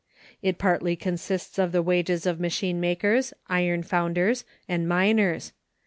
It partly consists of the wages of machine makers, iron founders, and miners.